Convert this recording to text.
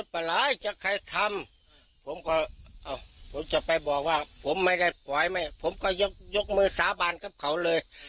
ผมไม่ได้ปล่อยผมก็ยกมือสาบานกับเขาเลย